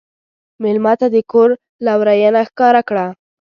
مېلمه ته د کور لورینه ښکاره کړه.